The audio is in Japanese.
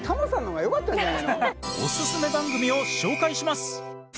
おすすめ番組を紹介します。